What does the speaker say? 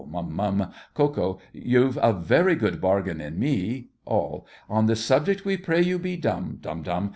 Mum—Mum! KO. You've a very good bargain in me. ALL. On this subject we pray you be dumb— Dumb—dumb!